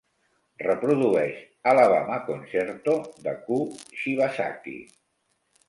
Reprodueix Alabama Concerto de Kou Shibasaki.